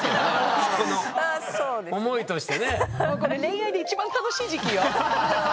もうこれ恋愛で一番楽しい時期よ？